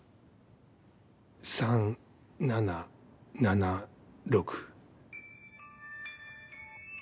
３７７６。